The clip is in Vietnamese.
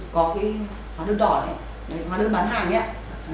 có cái hóa đơn đỏ ấy hóa đơn bán hàng đấy